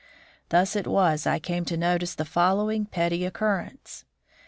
Thus it was I came to notice the following petty occurrence.